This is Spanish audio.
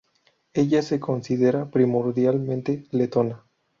Ella se considera primordialmente letona.